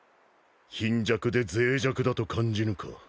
貧弱で脆弱だと感じぬか？